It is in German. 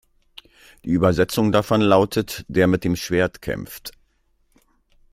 Die Übersetzung davon lautet „Der mit dem Schwert kämpft“.